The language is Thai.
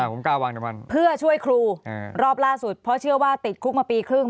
ผมกล้าวางน้ำมันเพื่อช่วยครูรอบล่าสุดเพราะเชื่อว่าติดคุกมาปีครึ่ง